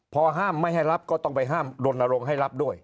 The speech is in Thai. พอห้ามไม่ให้รับก็ต้องไปห้ามรณรงค์ให้รับด้วย